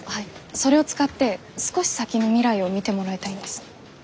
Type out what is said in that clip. それを使って少し先の未来を見てもらいたいんです。